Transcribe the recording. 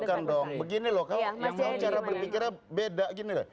bukan dong begini loh kamu cara berpikirnya beda gini loh